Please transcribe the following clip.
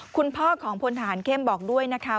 คุณพ่อของพลทหารเข้มบอกด้วยนะคะ